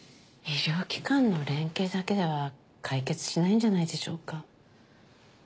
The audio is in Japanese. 医療機関の連携だけでは解決しないんじゃないでしょうか。